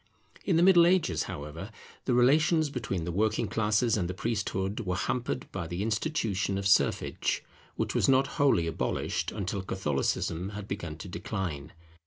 In the Middle Ages, however, the relations between the working classes and the priesthood were hampered by the institution of serfage, which was not wholly abolished until Catholicism had begun to decline.